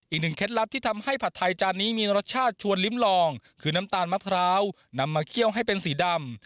เคล็ดลับที่ทำให้ผัดไทยจานนี้มีรสชาติชวนลิ้มลองคือน้ำตาลมะพร้าวนำมาเคี่ยวให้เป็นสีดำ